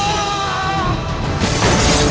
ya ini udah berakhir